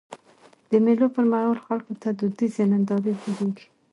د مېلو پر مهال خلکو ته دودیزي نندارې جوړيږي.